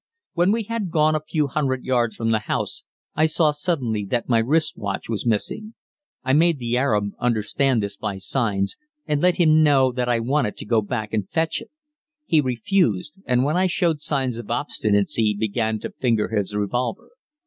When we had gone a few hundred yards from the house I saw suddenly that my wrist watch was missing. I made the Arab understand this by signs, and let him know that I wanted to go back and fetch it. He refused, and when I showed signs of obstinacy began to finger his revolver.